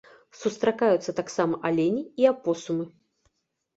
Сустракаюцца таксама алені і апосумы.